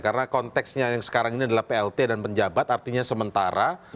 karena konteksnya yang sekarang ini adalah plt dan penjabat artinya sementara